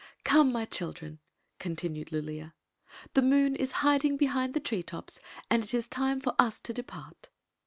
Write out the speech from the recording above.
"Come, my children," continued Lulea ;" the moon is hiding behind the tree tops, and it is time for us to depart."